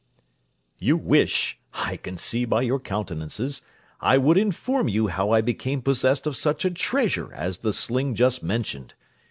_ You wish (I can see by your countenances) I would inform you how I became possessed of such a treasure as the sling just mentioned.